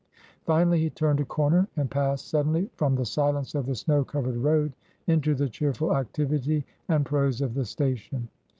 Finally he turned a corner and passed suddenly from the silence of the snow covered road into the cheerful activity and prose of the station.